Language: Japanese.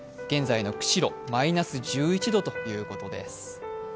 現在の釧路、マイナス１１度ということです。